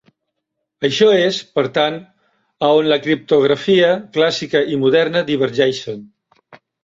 Això és, per tant, a on la criptografia clàssica i moderna divergeixen.